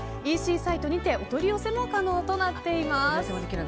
ＥＣサイトにてお取り寄せも可能になっています。